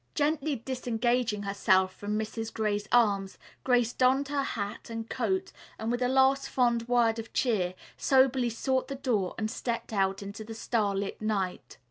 Gently disengaging herself from Mrs. Gray's arms, Grace donned her hat and coat and, with a last fond word of cheer, soberly sought the door and stepped out into the starlit night.